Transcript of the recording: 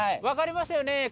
分かりますよね？